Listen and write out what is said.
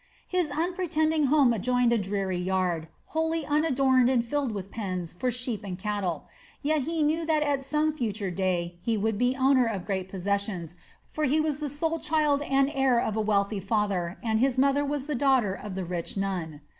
His unpretending home adjoined a dreary yard, wholly unadorned and filled with pens for sheep and cattle. Yet he knew that at some future day he would be owner of great possessions, for he was the sole child and heir of a wealthy father and his mother was the daughter of the rich Nun.